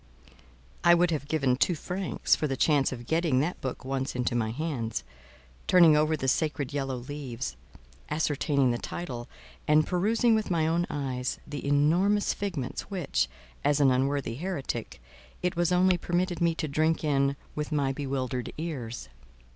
I would have given two francs for the chance of getting that book once into my hands, turning over the sacred yellow leaves, ascertaining the title, and perusing with my own eyes the enormous figments which, as an unworthy heretic, it was only permitted me to drink in with my bewildered ears.